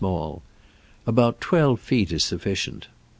twelve feet is sufficient.